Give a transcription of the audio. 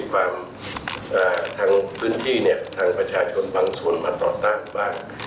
ทางพื้นที่เนี่ยทางประชาชนบางส่วนมาต่อต้านบ้าง